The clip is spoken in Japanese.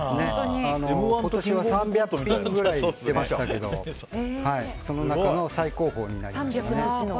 今年は３００品ぐらい出ましたけどその中の最高峰になります。